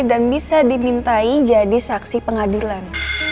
dan bisa dimintai jadi saksi pengadilan